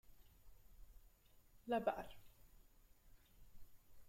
La Barre